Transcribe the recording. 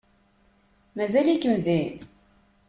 Mazal-ikem din?